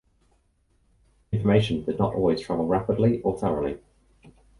Information did not always travel rapidly or thoroughly.